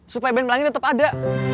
supaya band melangi tetap ada